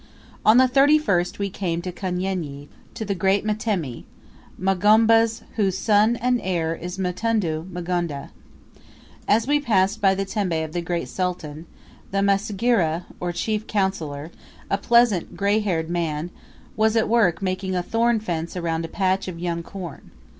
On the 31st we came to Kanyenyi, to the great Mtemi Magomba's whose son and heir is Mtundu M'gondeh. As we passed by the tembe of the great Sultan, the msagira, or chief counsellor, a pleasant grey haired man, was at work making a thorn fence around a patch of young corn.